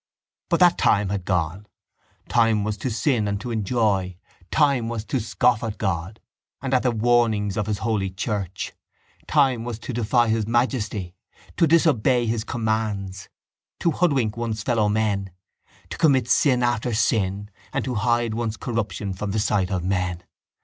But that time had gone. Time was to sin and to enjoy, time was to scoff at God and at the warnings of His holy church, time was to defy His majesty, to disobey His commands, to hoodwink one's fellow men, to commit sin after sin and to hide one's corruption from the sight of men.